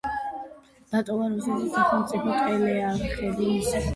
დატოვა რუსეთის სახელმწიფო ტელეარხები მისი შოუს, „დარტმა თავით“ დახურვის შემდეგ.